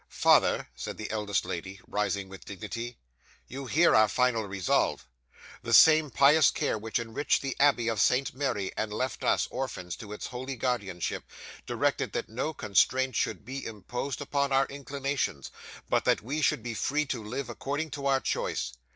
'"Father," said the eldest lady, rising with dignity, "you hear our final resolve. The same pious care which enriched the abbey of St Mary, and left us, orphans, to its holy guardianship, directed that no constraint should be imposed upon our inclinations, but that we should be free to live according to our choice.